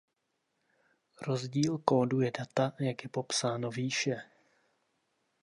Rozdíl kóduje data jak je popsáno výše.